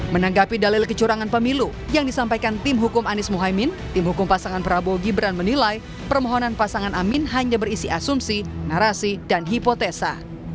menanggapi dalil kecurangan pemilu yang disampaikan tim hukum anies mohaimin tim hukum pasangan prabowo gibran menilai permohonan pasangan amin hanya berisi asumsi narasi dan hipotesa